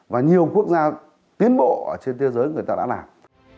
và nhiều quốc gia tiến bộ trên thế giới người ta đã làm